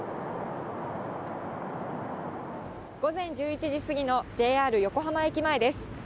午前１１時過ぎのＪＲ横浜駅前です。